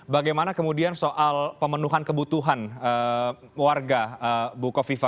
bagaimana kemudian soal pemenuhan kebutuhan warga bukoviva